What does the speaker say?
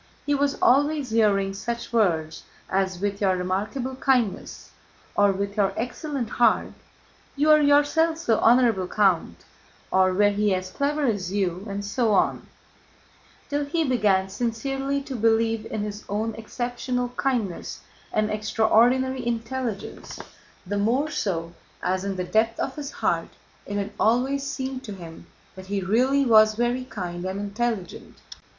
He was always hearing such words as: "With your remarkable kindness," or, "With your excellent heart," "You are yourself so honorable, Count," or, "Were he as clever as you," and so on, till he began sincerely to believe in his own exceptional kindness and extraordinary intelligence, the more so as in the depth of his heart it had always seemed to him that he really was very kind and intelligent.